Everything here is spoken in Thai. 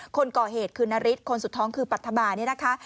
คนก่อเหตุคือนาริสคนสุดท้องคือปัธมานี่นะคะ